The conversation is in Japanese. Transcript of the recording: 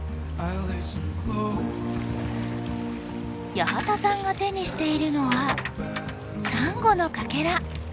八幡さんが手にしているのはサンゴのカケラ。